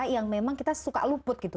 yang memang kita suka luput gitu